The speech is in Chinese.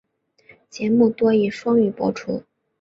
节目多以双语播出。